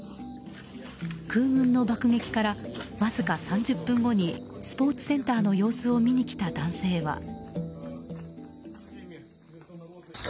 空軍の爆撃からわずか３０分後にスポーツセンターの様子を見に来た男性は。